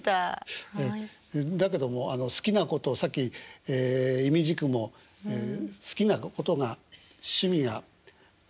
だけども好きなことさっきいみじくも好きなことが趣味が歌だと。